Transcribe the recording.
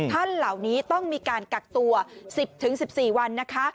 ท่านเหล่านี้ต้องมีการกักตัว๑๐๑๔วันนะคะ